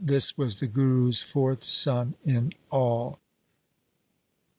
This was the Guru's fourth son in all.